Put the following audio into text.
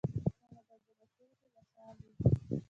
هغه به د راتلونکي مشعل وي.